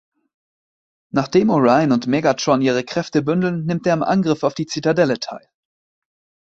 Nachdem Orion und Megatron ihre Kräfte bündeln, nimmt er am Angriff auf die Zitadelle teil.